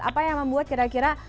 apa yang membuat kira kira